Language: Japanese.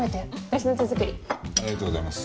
ありがとうございます。